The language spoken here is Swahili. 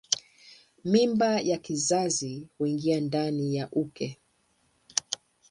Mimba ya kizazi huingia ndani ya uke.